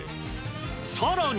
さらに。